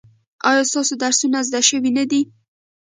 ایا ستاسو درسونه زده شوي نه دي؟